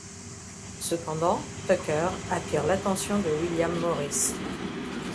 Cependant, Tucker attire l'attention de William Morris.